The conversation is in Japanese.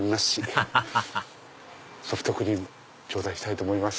アハハハソフトクリーム頂戴したいと思います。